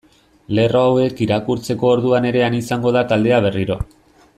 Lerro hauek irakurtzeko orduan ere han izango da taldea berriro.